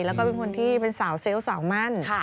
แล้วก็เป็นคนที่เป็นสาวเซลล์สาวมั่น